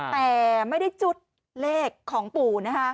แต่ไม่ได้จุดเลขของปู่นะคะ